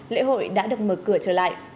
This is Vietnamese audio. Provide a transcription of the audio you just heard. lễ hội đã được mở cửa trở lại